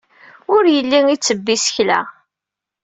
Ur yelli ittebbi isekla.